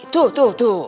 tuh tuh tuh